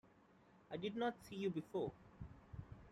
I did not see you before.